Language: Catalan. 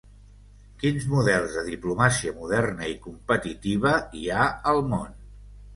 Quins models de diplomàcia moderna i competitiva hi ha al món?